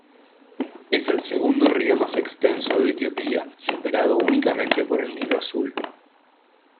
Es el segundo río más extenso de Etiopía, superado únicamente por el Nilo Azul.